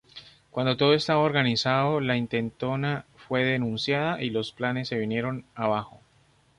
Cuando todo estaba organizado, la intentona fue denunciada y los planes se vinieron abajo.